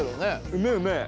うめえうめえ！